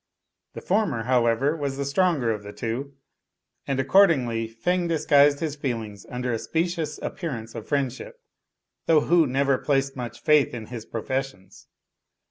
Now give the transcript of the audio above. The former, however, was the stronger of the two ; and accordingly Feng disguised his feelings under a spe cious appearance of friendship, though Hu never placed much faith in his professions.